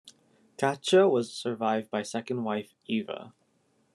Caccia was survived by second wife Iva.